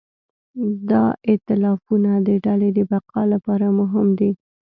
دا ایتلافونه د ډلې د بقا لپاره مهم دي.